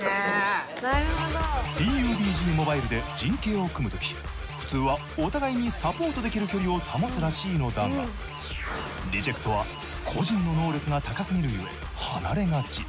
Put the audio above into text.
ＰＵＢＧＭＯＢＩＬＥで陣形を組むとき普通はお互いにサポートできる距離を保つらしいのだがＲＥＪＥＣＴは個人の能力が高すぎるゆえ離れがち。